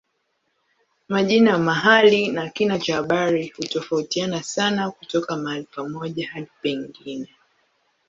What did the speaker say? Majina ya mahali na kina cha habari hutofautiana sana kutoka mahali pamoja hadi pengine.